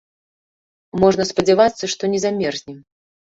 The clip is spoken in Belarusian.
Можна спадзявацца, што не замерзнем.